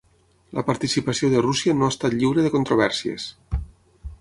La participació de Rússia no ha estat lliure de controvèrsies.